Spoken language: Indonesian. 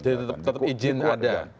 jadi tetap izin ada